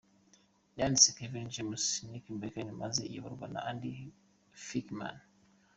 Yanditswe Kevin James , Nick Bakay maze iyoborwa na Andy Fickman.